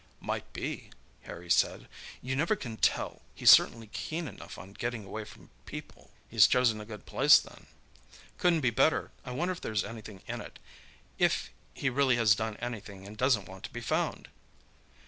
"Might be," Harry said. "You never can tell—he's certainly keen enough on getting away from people." "He's chosen a good place, then." "Couldn't be better. I wonder if there's anything in it—if he really has done anything and doesn't want to be found?"